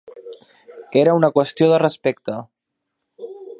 Era una qüestió de respecte.